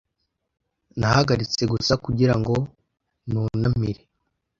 Nahagaritse gusa kugirango nunamire.